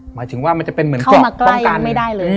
หมายถึงว่ามันจะเป็นเหมือนเกาะป้องกันเข้ามาใกล้ยังไม่ได้เลยอืม